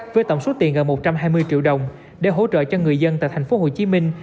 với tổng số tiền gần một trăm hai mươi triệu đồng để hỗ trợ cho người dân tại thành phố hồ chí minh